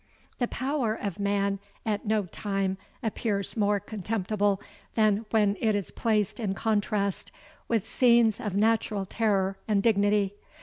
The power of man at no time appears more contemptible than when it is placed in contrast with scenes of natural terror and dignity.